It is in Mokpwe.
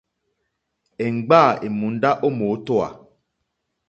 Èmgbâ èmùndá ó mǒtówà.